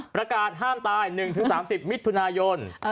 ประกาศห้ามตาย๑๓๐มิถุนายน